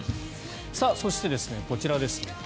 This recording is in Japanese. そして、こちらです。